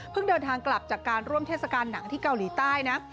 เดินทางกลับจากการร่วมเทศกาลหนังที่เกาหลีใต้นะ